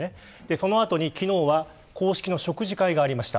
その後に昨日は公式の食事会がありました。